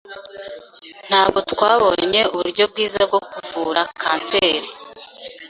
Ntabwo twabonye uburyo bwiza bwo kuvura kanseri.